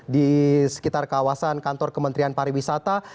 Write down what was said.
di sekitar kawasan kantor kementerian pariwisata